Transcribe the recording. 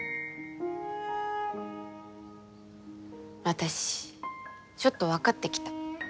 私ちょっと分かってきた。